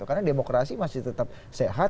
karena demokrasi masih tetap sehat